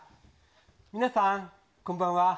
皆さん、こんばんは。